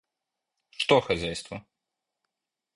Что хозяйство?